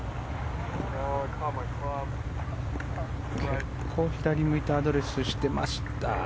結構左を向いてアドレスしてました。